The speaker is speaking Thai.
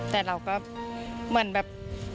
แต่เราก็เหมือนแบบ